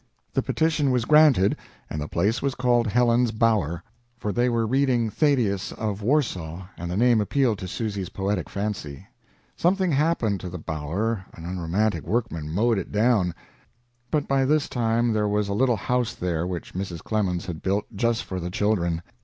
The petition was granted and the place was called Helen's Bower, for they were reading "Thaddeus of Warsaw", and the name appealed to Susy's poetic fancy. Something happened to the "bower" an unromantic workman mowed it down but by this time there was a little house there which Mrs. Clemens had built, just for the children.